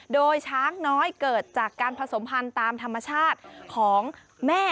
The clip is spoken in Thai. โดยช้างน้อยเกิดจากการผสมพันธุ์ตามธรรมชาติของแม่